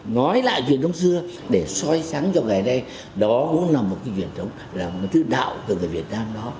nói lại chuyện đống xưa để soi sáng cho ngày nay đó cũng là một chuyện đống là một thứ đạo của người việt